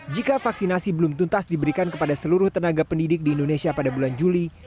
jika vaksinasi belum tuntas diberikan kepada seluruh tenaga pendidik di indonesia pada bulan juli